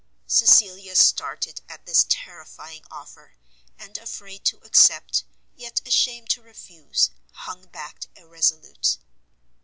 Cecilia started at this terrifying offer, and afraid to accept, yet ashamed to refuse, hung back irresolute.